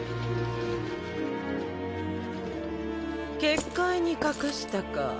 結界に隠したか